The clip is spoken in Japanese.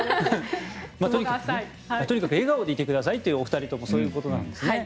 とにかく笑顔でいてくださいというお二人ともそういうことなんですね。